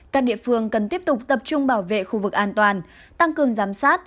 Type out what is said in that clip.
các địa phương cần tiếp tục tập trung bảo vệ khu vực an toàn tăng cường giám sát